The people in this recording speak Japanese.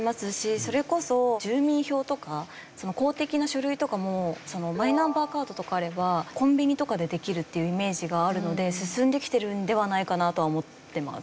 それこそ住民票とか公的な書類とかもマイナンバーカードとかあればコンビニとかでできるっていうイメージがあるので進んできてるのではないかなとは思ってます。